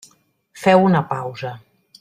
Féu una pausa.